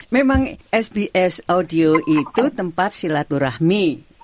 memang sbs audio itu tempat silaturahmi